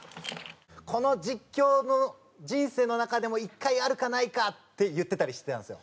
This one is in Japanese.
この実況の「人生の中でも１回あるかないか」って言ってたりしてたんですよ。